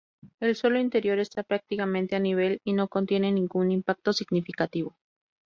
El suelo interior está prácticamente a nivel y no contiene ningún impacto significativo.